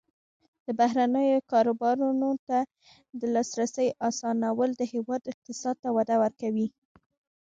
د بهرنیو کاروبارونو ته د لاسرسي اسانول د هیواد اقتصاد ته وده ورکوي.